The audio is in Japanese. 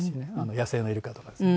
野生のイルカとかですね。